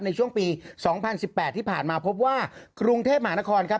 ในช่วงปีสองพันสิบแปดที่ผ่านมาพบว่ากรุงเทพหมานครครับ